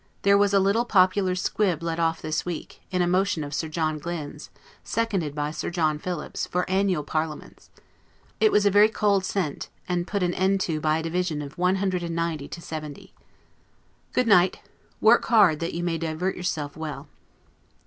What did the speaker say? There was a little popular squib let off this week, in a motion of Sir John Glynne's, seconded by Sir John Philips, for annual parliaments. It was a very cold scent, and put an end to by a division of 190 to 70. Good night. Work hard, that you may divert yourself well.